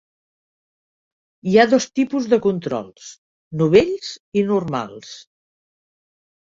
Hi ha dos tipus de controls: novells i normals.